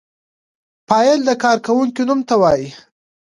فاعل د کار کوونکی نوم ته وايي.